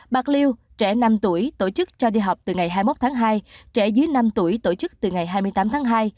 bạc liêu trẻ năm tuổi tổ chức cho đi học từ ngày hai mươi một tháng hai trẻ dưới năm tuổi tổ chức từ ngày hai mươi tám tháng hai